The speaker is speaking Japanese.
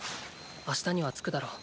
明日には着くだろう。